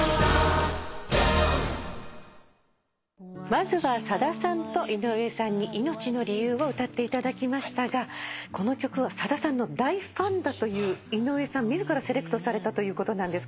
まずはさださんと井上さんに『いのちの理由』を歌っていただきましたがこの曲はさださんの大ファンだという井上さん自らセレクトされたということなんですけども。